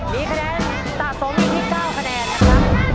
มีคะแนนสะสมอยู่ที่๙คะแนนนะครับ